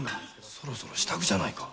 そろそろ支度じゃないか。